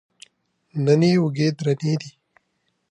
نن یې اوږې درنې دي.